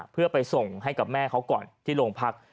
เพื่อไปส่งให้กับแม่เขาก่อนที่โรงพัก